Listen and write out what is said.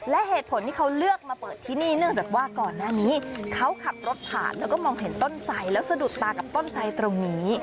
และเหตุผลที่เขาเลือกมาเปิดที่นี่เนื่องจากว่าก่อนหน้านี้เขาขับรถผ่านแล้วก็มองเห็นต้นไสแล้วสะดุดตากับต้นไสตรงนี้